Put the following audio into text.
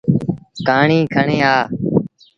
ڪهآڙيٚ کڻي آ۔